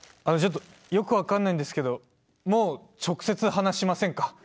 あのちょっとよく分かんないんですけどもう直接話しませんか？